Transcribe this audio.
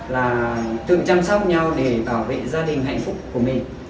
là tự chăm sóc nhau để bảo vệ gia đình hạnh phúc của mình